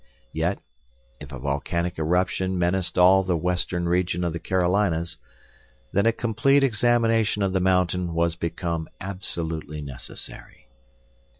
Yet, if a volcanic eruption menaced all the western region of the Carolinas, then a complete examination of the mountain was become absolutely necessary.